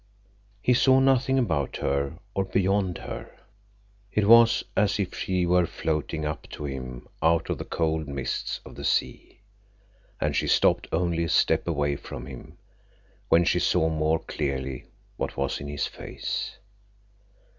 He saw nothing about her or beyond her. It was as if she were floating up to him out of the cold mists of the sea. And she stopped only a step away from him, when she saw more clearly what was in his face.